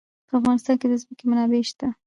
په افغانستان کې د ځمکه منابع شته.